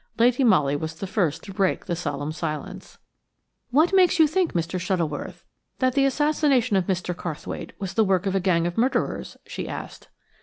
Lady Molly was the first to break the solemn silence. "What makes you think, Mr. Shuttleworth, that the assassination of Mr. Carrthwaite was the work of a gang of murderers?" she asked.